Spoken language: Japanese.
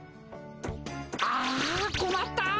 あこまったっ！